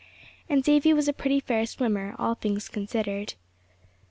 And Davy was a pretty fair swimmer, all things considered.